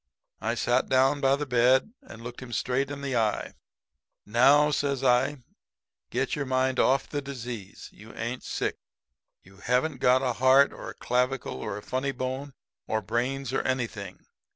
"I sat down by the bed and looked him straight in the eye. "'Now,' says I, 'get your mind off the disease. You ain't sick. You haven't got a heart or a clavicle or a funny bone or brains or anything.